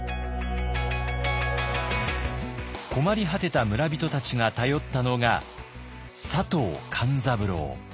困り果てた村人たちが頼ったのが佐藤勘三郎。